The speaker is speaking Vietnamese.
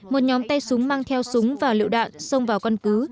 một nhóm tay súng mang theo súng và lựu đạn xông vào căn cứ